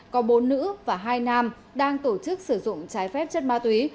có bốn nữ và hai nam đang tổ chức sử dụng trái phép chất ma túy